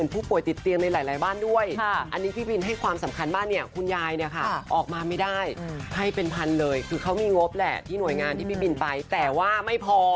เป็นพันธุ์เลยคือเขามีงบแหละที่หน่วยงานที่พี่บินไปแต่ว่าไม่พอ